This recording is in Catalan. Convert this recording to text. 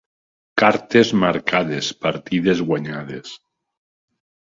Cartes marcades, partides guanyades.